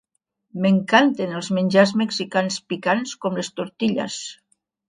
M'encanten els menjars mexicans picants com les tortillas.